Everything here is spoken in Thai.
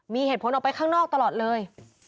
มีเหตุผลออกไปข้างนอกตลอดเลย